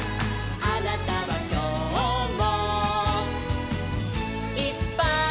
「あなたはきょうも」